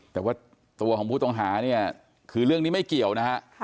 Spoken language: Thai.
แต่ว่าตัวของผู้ต้องหาเนี่ยคือเรื่องนี้ไม่เกี่ยวนะฮะ